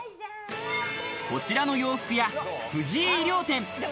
こちらの洋服屋・藤井衣料店。